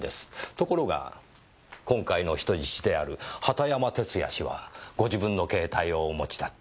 ところが今回の人質である畑山哲弥氏はご自分の携帯をお持ちだった。